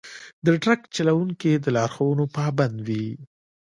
د ټرک چلوونکي د لارښوونو پابند وي.